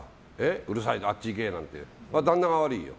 うるさい、あっち行けなんて旦那が悪いよ。